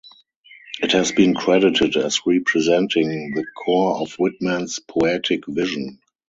It has been credited as representing the core of Whitman's poetic vision.